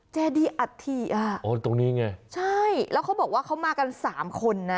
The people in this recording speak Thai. เจดีอัฐิอ่ะอ๋อตรงนี้ไงใช่แล้วเขาบอกว่าเขามากันสามคนนะ